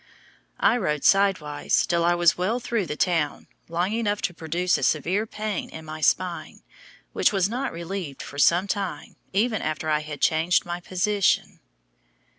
I rode sidewise till I was well through the town, long enough to produce a severe pain in my spine, which was not relieved for some time even after I had changed my position.